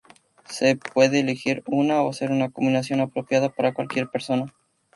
Se puede elegir una o hacer una combinación apropiada para cualquier persona.